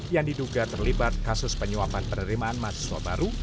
yang diduga terlibat kasus penyuapan penerimaan mahasiswa baru